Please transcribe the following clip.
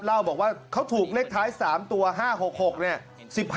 เล่าบอกว่าเขาถูกเลขท้าย๓ตัว๕๖๖เนี่ย